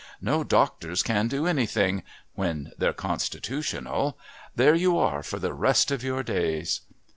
No doctors can do anything when they're constitutional. There you are for the rest of your days!"